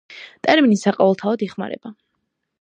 ტერმინი საყოველთაოდ იხმარება.